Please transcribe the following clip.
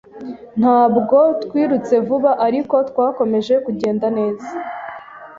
Ntabwo twirutse vuba, ariko twakomeje kugenda neza.